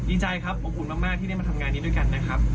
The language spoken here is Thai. ดีใจครับอบอุ่นมากที่ได้มาทำงานนี้ด้วยกันนะครับ